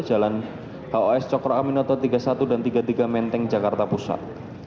jalan hos cokro aminoto tiga puluh satu dan tiga puluh tiga menteng jakarta pusat